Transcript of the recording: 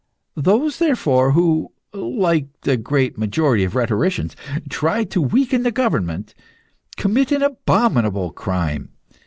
Those, therefore, who like the great majority of rhetoricians try to weaken the government, commit an abominable crime.